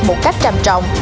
một cách trầm trọng